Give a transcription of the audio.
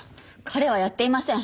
彼はやっていません！